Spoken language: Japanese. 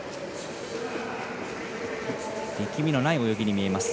力みのない泳ぎに見えます。